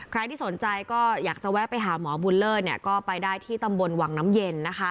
ใครที่สนใจก็อยากจะแวะไปหาหมอบุญเลิศก็ไปได้ที่ตำบลวังน้ำเย็น